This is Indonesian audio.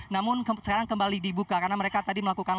namun sekarang kembali dibuka karena mereka tadi melakukan